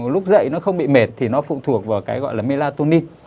lúc dậy nó không bị mệt thì nó phụ thuộc vào cái gọi là melatony